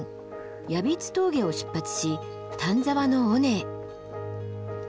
ヤビツ峠を出発し丹沢の尾根へ。